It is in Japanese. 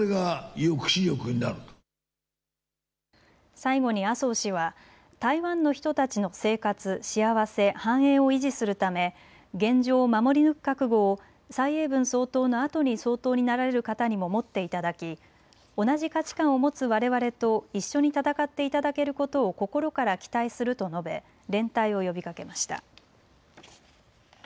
最後に麻生氏は台湾の人たちの生活、幸せ、繁栄を維持するため現状を守り抜く覚悟を蔡英文総統のあとに総統になられる方にも持っていただき、同じ価値観を持つわれわれと一緒に戦っていただけることを心から期待すると述べ連帯を呼びかけました。